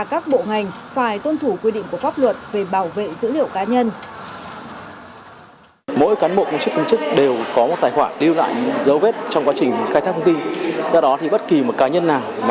các bộ ngành phải tôn thủ quy định của pháp luật về bảo vệ dữ liệu cá nhân